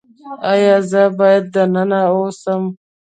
ایا زه باید دننه اوسم؟